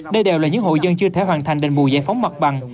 đây đều là những hội dân chưa thể hoàn thành đền bùi giải phóng mặt bằng